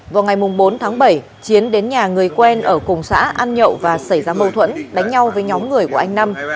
vào ngày bốn tháng bảy chiến đến nhà người quen ở cùng xã ăn nhậu và xảy ra mâu thuẫn đánh nhau với nhóm người của anh năm